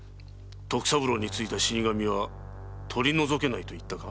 徳三郎に憑いた死神は「取り除けない」と言ったか？